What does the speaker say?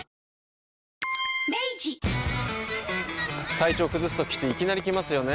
体調崩すときっていきなり来ますよね。